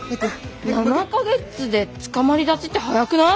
７か月でつかまり立ちって早くない？